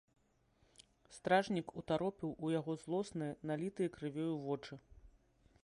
Стражнік утаропіў у яго злосныя, налітыя крывёю вочы.